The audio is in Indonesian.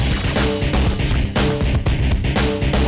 eh tangan lu ya